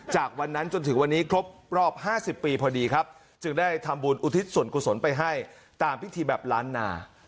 จากวันนั้นจนถึงวันนี้ครบรอบ๕๐ปีพอดีครับจึงได้ทำบุญอุทิศส่วนกุศลไปให้ตามพิธีแบบล้านนา